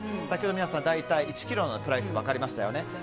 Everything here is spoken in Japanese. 先ほど、大体１ｋｇのプライスが分かりましたよね。